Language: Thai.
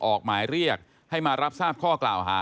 ออกหมายเรียกให้มารับทราบข้อกล่าวหา